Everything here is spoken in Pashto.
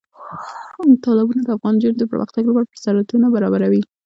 تالابونه د افغان نجونو د پرمختګ لپاره فرصتونه برابروي.